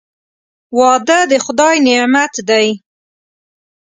• واده د خدای نعمت دی.